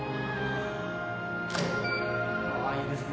あっいいですね